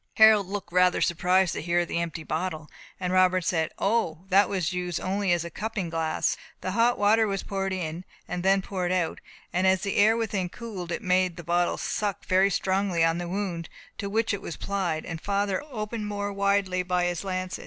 Harold looked rather surprised to hear of the empty bottle, and Robert said, "O, that was used only as a cupping glass. Hot water was poured in, and then poured out, and as the air within cooled, it made the bottle suck very strongly on the wound, to which it was applied, and which father had opened more widely by his lancet.